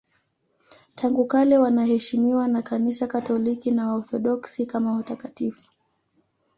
Tangu kale wanaheshimiwa na Kanisa Katoliki na Waorthodoksi kama watakatifu.